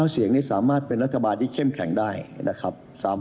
เสียงนี้สามารถเป็นรัฐบาลที่เข้มแข็งได้นะครับ